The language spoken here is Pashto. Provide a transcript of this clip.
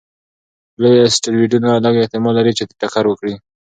لوی اسټروېډونه لږ احتمال لري چې ټکر وکړي.